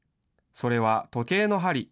それは時計の針。